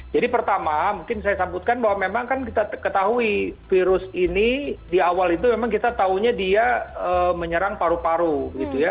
jadi pertama mungkin saya sambutkan bahwa memang kan kita ketahui virus ini di awal itu memang kita tahunya dia menyerang paru paru gitu ya